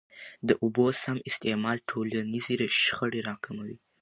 د اوبو سم استعمال ټولنیزي شخړي را کموي.